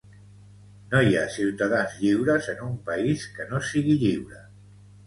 No hi ha ciutadans lliures en un país que no sigui lliure.